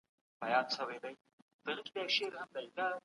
تاسو بايد د سياست په اړه د منطقي فکر څخه کار واخلئ.